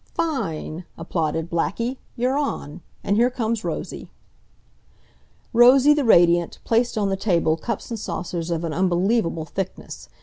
"Fine!" applauded Blackie. "You're on. And here comes Rosie." Rosie, the radiant, placed on the table cups and saucers of an unbelievable thickness.